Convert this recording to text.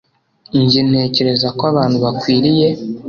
jye ntekereza ko abantu bakwiriye